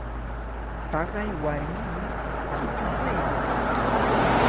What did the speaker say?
Taqay warmimi chichu kaykan.